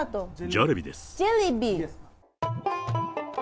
ジャレビです。